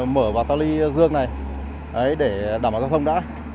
mở vào tàu ly dương này để đảm bảo giao thông đã